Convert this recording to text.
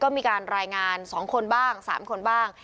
ก็มีการรายงาน๒คนบ้าง๓คนบ้าง